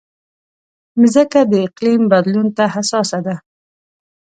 مځکه د اقلیم بدلون ته حساسه ده.